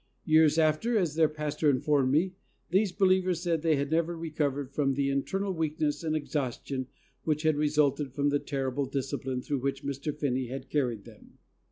Years after, as their pastor informed me, these believers said they had never recovered from the internal weakness and exhaustion which had resulted from the terrible discipline through which Mr. Finney had carried them.